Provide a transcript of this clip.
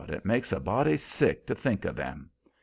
it makes a body sick to think o' them.